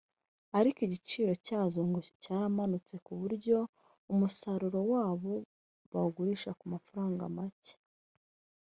ariko igiciro cyazo ngo cyaramanutse ku buryo umusaruro wabo bawugurisha ku mafaranga macye